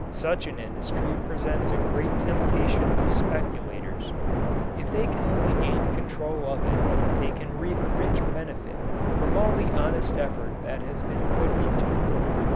Such an industry presents a great temptation to speculators. If they can only gain control of it they can reap rich benefit from all the honest effort that has been put into it.